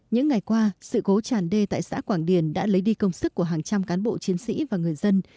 những ngày qua sự cố tràn đê tại xã quảng điền đã lấy đi công sức của hàng trăm cán bộ chiến sĩ và người dân